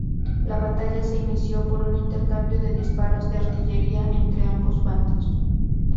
La batalla se inició por un intercambio de disparos de artillería entre ambos bandos.